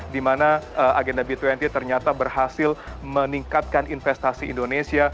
di mana agenda b dua puluh ternyata berhasil meningkatkan investasi indonesia